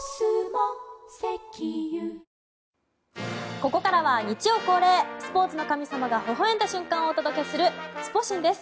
ここからは日曜恒例スポーツの神様がほほ笑んだ瞬間をお届けするスポ神です。